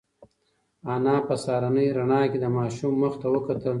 انا په سهارنۍ رڼا کې د ماشوم مخ ته وکتل.